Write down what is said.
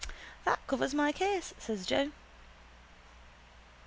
—That covers my case, says Joe.